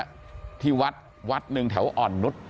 อยู่ที่นู่นนะครับที่วัดวัดหนึ่งแถวอ่อนนุษย์